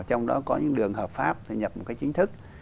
trong đó có những đường hợp pháp thì nhập một cái chính thức